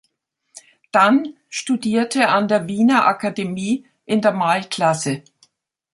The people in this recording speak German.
Dann studierte an der Wiener Akademie in der Malklasse.